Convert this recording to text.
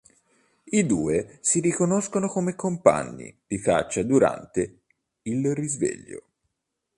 I due si riconoscono come compagni di caccia durante il "Risveglio".